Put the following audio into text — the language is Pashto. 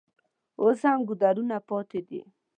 اوس هم ګودرونه پاتې دي.